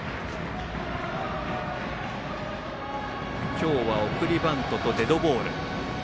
今日は送りバントとデッドボール。